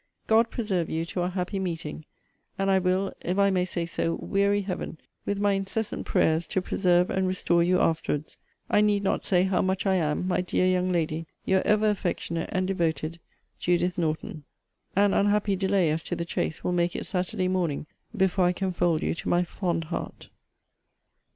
God preserve you to our happy meeting! And I will, if I may say so, weary Heaven with my incessant prayers to preserve and restore you afterwards! I need not say how much I am, my dear young lady, Your ever affectionate and devoted, JUDITH NORTON. An unhappy delay, as to the chaise, will make it Saturday morning before I can fold you to my fond heart.